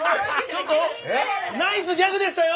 ナイスギャグでしたよ？